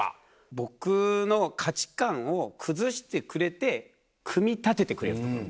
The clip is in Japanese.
僕の価値観を崩してくれて組み立ててくれる所。